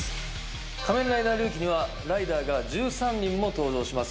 「仮面ライダー龍騎」にはライダーが１３人も登場します。